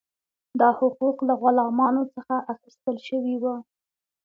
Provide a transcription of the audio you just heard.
دا حقوق له غلامانو څخه اخیستل شوي وو.